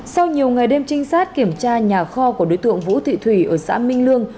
sau nhiều ngày đêm trinh sát kiểm tra nhà kho của đối tượng vũ thị thủy ở xã minh lương